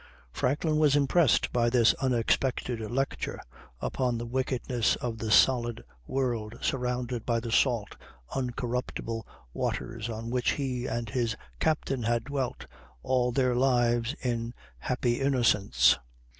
Franklin was impressed by this unexpected lecture upon the wickedness of the solid world surrounded by the salt, uncorruptible waters on which he and his captain had dwelt all their lives in happy innocence.